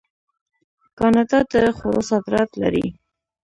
کاناډا د خوړو صادرات لري.